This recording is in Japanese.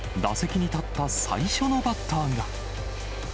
１回裏、打席に立った最初のバッターが。